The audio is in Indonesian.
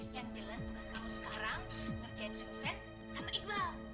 yang jelas tugas kamu sekarang terjaya di siusin sama iqbal